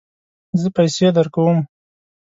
زه پیسې درکوم